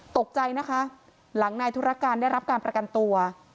ตกใจนะคะหลังนายธุรการได้รับการประกันตัว